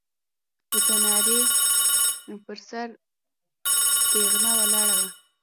د تنارې پر سر تېغنه ولاړه وه.